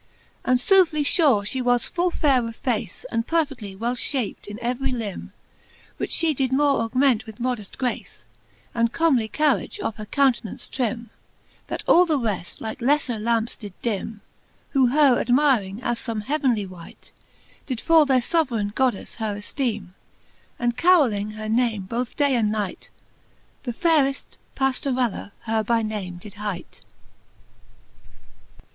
And foothly fure {he was full fayre of face, And perfedly well iliapt in every lim. Which fhe did more augment with modeft graee, And comely carriage of her count'nance trim, That all the reft like lefTer lamps did dim : Who her admiring as fome heavenly wight, Did for their foveraine goddeffe her efteeme, And carolling her name both day and night, The fayreft Paflorella her by name did hight. X.